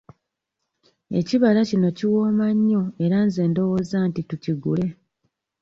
Ekibala kino kiwooma nnyo era nze ndowooza nti tukigule.